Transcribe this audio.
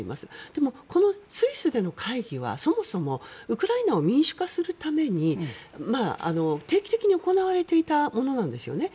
でも、このスイスでの会議はそもそもウクライナを民主化するために定期的に行われていたものなんですよね。